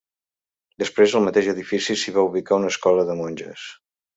Després, al mateix edifici, s'hi va ubicar una escola de monges.